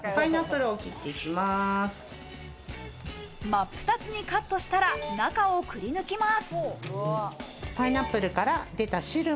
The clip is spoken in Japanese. まっぷたつにカットしたら、中をくり抜きます。